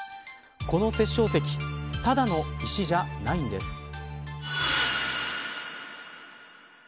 この殺生石ただの石じゃないんです。